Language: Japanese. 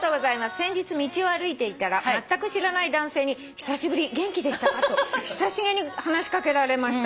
「先日道を歩いていたらまったく知らない男性に久しぶり元気でしたか？と親しげに話し掛けられました」